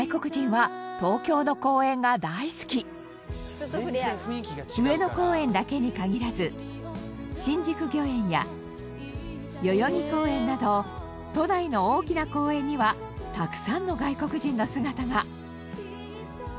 実は上野公園だけに限らず新宿御苑や代々木公園など都内の大きな公園にはたくさんの外国人の姿が。